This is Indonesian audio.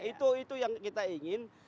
itu yang kita ingin